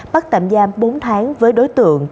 bắt tạm giam bốn tháng với đối tượng